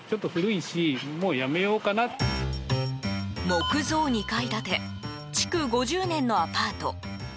木造２階建て築５０年のアパート。